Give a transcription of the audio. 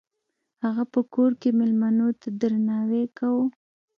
هغه په کور کې میلمنو ته درناوی کاوه.